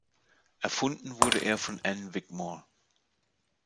Erfunden wurde er von Anne Wigmore.